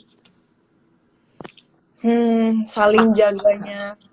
hmm saling jaganya